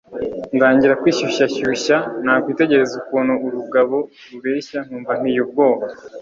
ndangira kwishyushyashyushya nakwitegereza ukuntu urugabo rureshya nkumva mpiye ubwoba